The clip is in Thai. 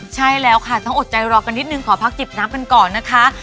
ใช่แล้วค่ะต้องอดใจรอกันนิดนึงขอพักจิบน้ำกันก่อนนะคะ